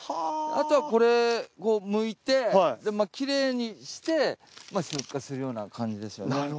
あとはこれを剥いてきれいにして出荷するような感じですよね。